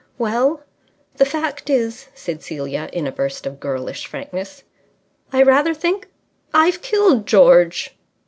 "Well, the fact is," said Celia, in a burst of girlish frankness, "I rather think I've killed George."